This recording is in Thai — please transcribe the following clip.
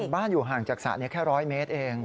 บ้านอยู่ห่างจากสระนี้แค่๑๐๐เมตรเอง